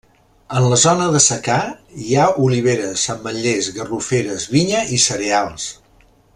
En la zona del secà hi ha oliveres, ametllers, garroferes, vinya i cereals.